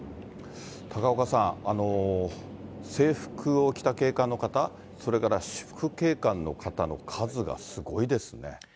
高岡さん、制服を着た警官の方、それから私服警官の方の数がすごいですね。